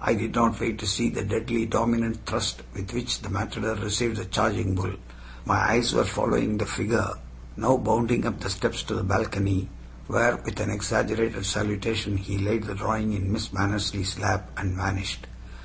I did not wait to see the deadly, dominant thrust with which the matador received the charging bull; my eyes were following the figure now bounding up the steps to the balcony, where with an exaggerated salutation he laid the drawing in Miss Mannersley's lap and vanished.